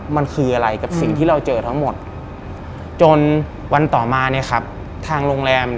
มันคืออะไรกับสิ่งที่เราเจอทั้งหมดจนวันต่อมาเนี่ยครับทางโรงแรม